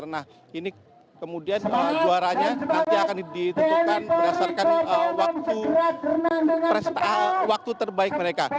nah ini kemudian juaranya nanti akan ditentukan berdasarkan waktu terbaik mereka